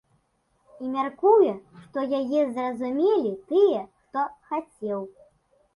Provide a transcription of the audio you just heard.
І мяркуе, што яе зразумелі тыя, хто хацеў.